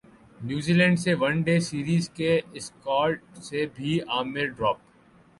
New Zealand سے one day series کے squad سے بھی عامر ڈراپ